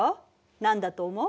何だと思う？